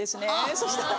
そしたら。